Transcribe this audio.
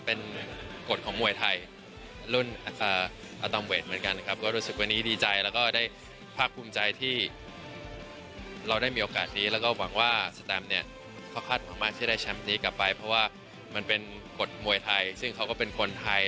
เพราะว่ามันเป็นบทมวยไทยซึ่งเขาก็เป็นคนไทย